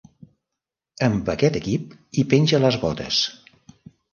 Amb aquest equip hi penja les botes.